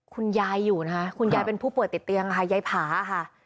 คุณยายอยู่นะคะคุณยายเป็นผู้ป่วยติดเตียงค่ะยายผาค่ะ